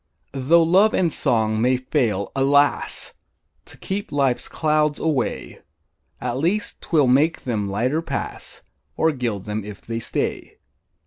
Tho' love and song may fail, alas! To keep life's clouds away, At least 'twill make them lighter pass, Or gild them if they stay.